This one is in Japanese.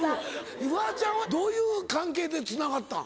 フワちゃんはどういう関係でつながったん？